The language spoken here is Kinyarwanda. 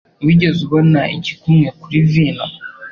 Wigeze ubona igikumwe kuri vino?